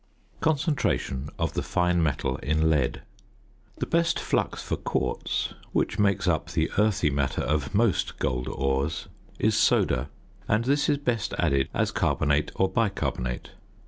~Concentration of the fine Metal in Lead.~ The best flux for quartz, which makes up the earthy matter of most gold ores, is soda, and this is best added as carbonate or bicarbonate.